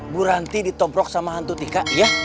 bu ranti ditobrok sama hantu tika ya